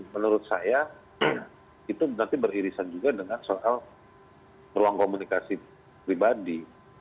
menurut saya itu berarti beririsan juga dengan soal ruang komunikasi pribadi